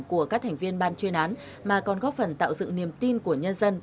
của các thành viên ban chuyên án mà còn góp phần tạo dựng niềm tin của nhân dân